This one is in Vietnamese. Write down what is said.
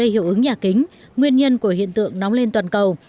tính nguyên nhân của hiện tượng nóng lên toàn cầu